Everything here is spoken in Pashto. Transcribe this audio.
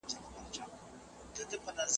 منظم خواړه د سردرد کموي.